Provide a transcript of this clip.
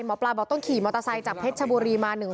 หมอปลาบอกต้องขี่มอเตอร์ไซค์จากเพชรชบุรีมา